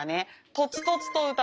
とつとつと歌う。